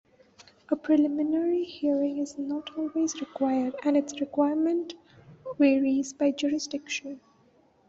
A preliminary hearing is not always required, and its requirement varies by jurisdiction.